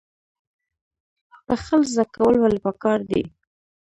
بخښل زده کول ولې پکار دي؟